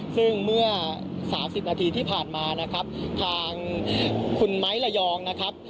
ซึ่งเมื่อ๓๐นาทีที่ผ่านมานะครับทางคุณไม้ระยองนะครับ